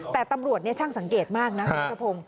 แต่ตำรวจช่างสังเกตมากนะครับครับผม